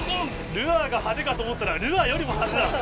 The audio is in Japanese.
ルアーが派手かと思ったらルアーよりも派手だ。